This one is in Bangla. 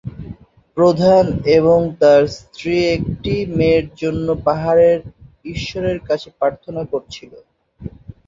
প্রধান এবং তার স্ত্রী একটি মেয়ের জন্য পাহাড়ের ঈশ্বরের কাছে প্রার্থনা করেছিল।